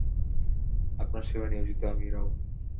আপনার সেবায় নিয়োজিত আমি রাও।